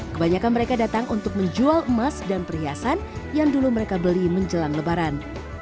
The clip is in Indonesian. kebanyakan mereka datang untuk menjual emas dan perhiasan yang dulu mereka beli menjelang lebaran